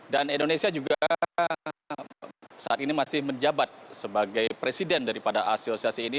dan indonesia juga saat ini masih menjabat sebagai presiden daripada asosiasi ini